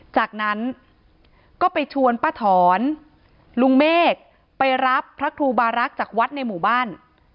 จากนั้นก็ไปชวนป้าถอนลุงเมฆไปรับพระครูบารักษ์จากวัดในหมู่บ้าน